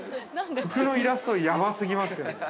◆服のイラスト、やば過ぎます。